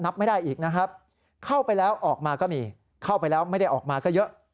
ไม่ได้อีกนะครับเข้าไปแล้วออกมาก็มีเข้าไปแล้วไม่ได้ออกมาก็เยอะ